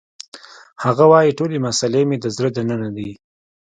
هغه وایی ټولې مسلې مې د زړه دننه دي